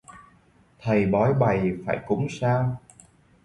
Thầy bói bày phải cúng sao